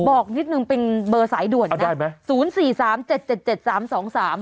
บอกนิดนึงเป็นเบอร์สายด่วนได้ไหมศูนย์สี่สามเจ็ดเจ็ดเจ็ดเจ็ดสามสองสาม